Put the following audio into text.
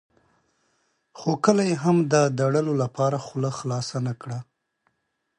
خو کله یې هم د داړلو لپاره خوله خلاصه نه کړه.